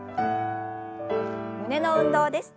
胸の運動です。